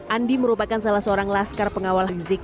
andi merupakan salah seorang laskar pengawal rizik